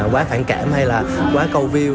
quá phản cảm hay là quá câu view